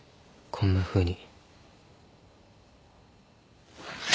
こんなふうに。